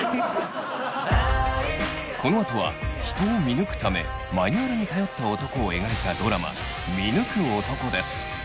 このあとは人を見抜くためマニュアルに頼った男を描いたドラマ「見抜く男」です。